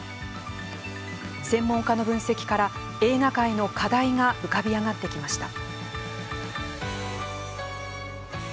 専門家の分析から、映画界の課題が浮かび上がってきました。